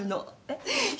えっ？